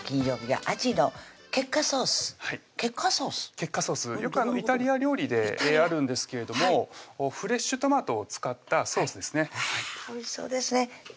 ケッカソースよくイタリア料理であるんですけれどもフレッシュトマトを使ったソースですねあぁおいしそうですねお願いします